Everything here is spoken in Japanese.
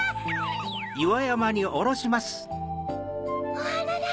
おはなだ！